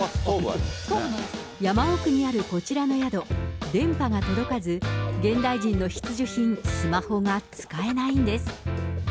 山奥にあるこちらの宿、電波が届かず、現代人の必需品、スマホが使えないんです。